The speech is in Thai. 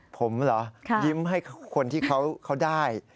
ผมเหรอยิ้มให้คนที่เขาได้